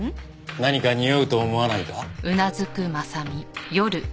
何かにおうと思わないか？